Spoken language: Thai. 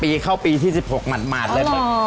ปีเข้าปีที่๑๖หมาดเลย